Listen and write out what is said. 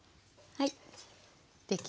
はい。